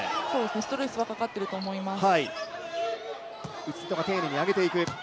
ストレスはかかっていると思います。